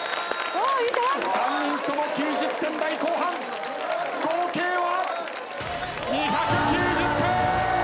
３人とも９０点台後半合計は？